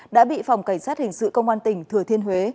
đã bị phòng cảnh sát hình sự công an tỉnh thừa thiên huế